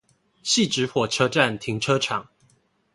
汐止火車站停車場